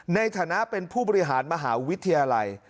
ในฐานะเป็นผู้บริหารมหาวิทยาลัย